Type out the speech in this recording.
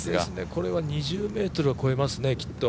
これは２０ｍを超えますね、きっと。